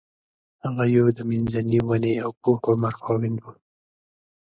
هغه یو د منځني ونې او پوخ عمر خاوند و.